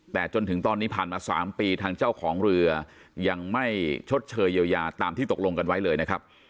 แต่จนถึงตอนนี้ผ่านมา๓ปีทางเจ้าของเรือยังไม่ชดเชยเยียวยาตามที่ตกลงกันไว้เลยนะครับ